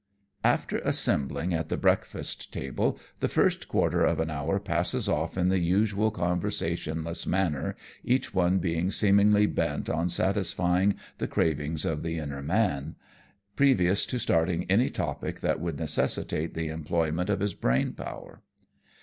After assembling at the breakfast table^ the first quarter of an hour passes ofi' in the usual conversation less manner, each one being seemingly bent on satisfying the cravings of the inward man, previous to starting any topic that would necessitate the employ ment of his brain power.